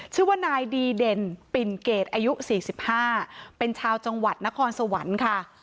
ชื่อว่านายดีเด่นปิ่นเกรดอายุ๔๕เป็นชาวจังหวัดนครสวรรค์ค่ะ